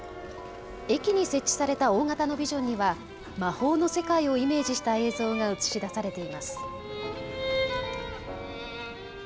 駅に設置された大型のビジョンには魔法の世界をイメージした映像が映し出されています。